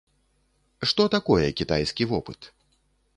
Што такое кітайскі вопыт?